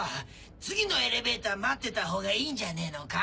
次のエレベーター待ってたほうがいいんじゃねえのか？